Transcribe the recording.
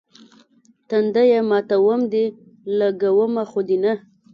تنديه ماتوم دي، لګومه خو دې نه.